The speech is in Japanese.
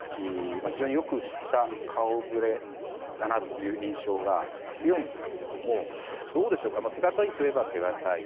非常によく知った顔ぶれだなという印象が強いんですけれどもどうでしょうか手堅いといえば手堅い。